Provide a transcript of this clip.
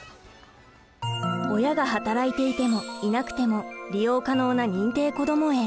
親が働いていてもいなくても利用可能な認定こども園。